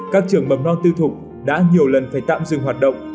các trường mầm non tư thục đã nhiều lần phải tạm dừng hoạt động